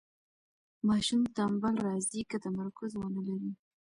ماشوم ټنبل راځي که تمرکز ونلري.